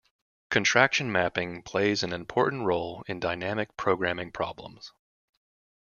Contraction mapping plays an important role in dynamic programming problems.